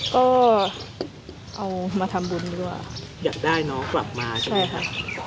ก็เอามาทำบุญด้วยอยากได้น้องกลับมาใช่ไหมใช่ค่ะ